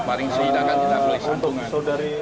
paling seindahkan kita boleh sentuh